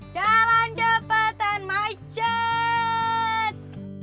jalan jepetan macet